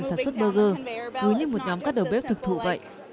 tôi rất ấn tượng khi được chiên sản xuất burger hứa như một nhóm các đầu bếp thực thụ vậy